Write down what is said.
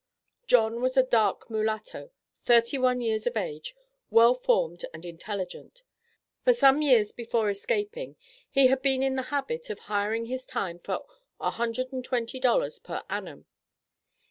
John was a dark mulatto, thirty one years of age, well formed and intelligent. For some years before escaping he had been in the habit of hiring his time for $120 per annum.